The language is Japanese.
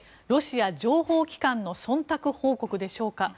ロシア情報機関の忖度報告でしょうか。